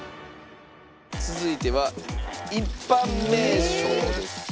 続いては一般名称です。